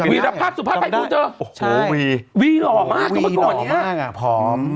วิรับภาพสุภาพใหม่พูดเถอะโอ้โหวีวีหล่อมากกว่าตัวเนี้ยวีหล่อมากอ่ะพร้อม